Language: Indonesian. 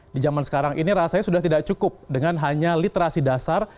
di zaman sekarang ini rasanya sudah tidak cukup dengan hanya literasi dasar